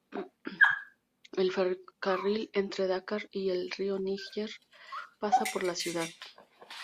El ferrocarril entre Dakar y el río Níger pasa por la ciudad.